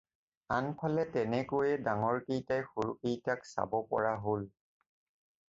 আনফালে তেনেকৈয়ে ডাঙৰকেইটাই সৰুকেইটাক চাব পৰা হ'ল।